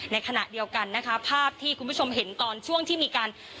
ในขณะเดียวกันนะคะภาพที่คุณผู้ชมเห็นตอนช่วงที่มีการ